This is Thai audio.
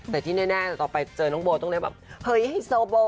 แต่ที่แน่ต่อไปเจอน้องโบต้องได้แบบเฮ้ยไฮโซโบ